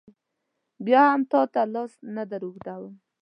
بیا هم تا ته لاس نه در اوږدوم.